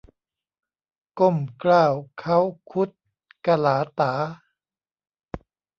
ก้มเกล้าเค้าคุดกะหลาต๋า